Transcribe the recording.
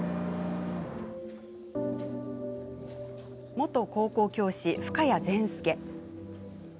元高校教師・深谷善輔。